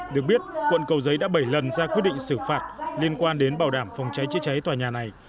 được biết quận cầu giấy đã bảy lần ra quyết định xử phạt liên quan đến bảo đảm phòng cháy chữa cháy tòa nhà này